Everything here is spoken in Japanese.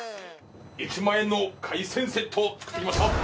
１万円の海鮮セット作ってきました。